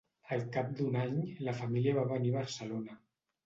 Al cap d'un any, la família va venir a Barcelona.